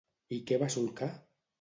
I què va solcar?